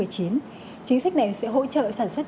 chính sách này sẽ hỗ trợ sản xuất